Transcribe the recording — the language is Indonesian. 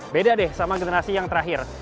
beda deh sama generasi yang terakhir